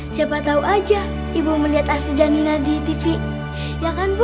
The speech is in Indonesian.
siapa tahu saja ibu melihat asri dan nina di tv ya kan bu